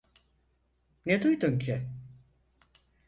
Ne duydun ki?